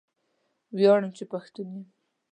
ویاړم چې پښتون یم